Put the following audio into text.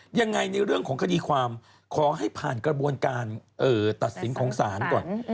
ยังไงในเรื่องของคดีความขอให้ผ่านกระบวนการตัดสินของศาลก่อน